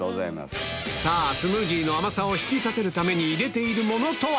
さぁスムージーの甘さを引き立てるために入れているものとは？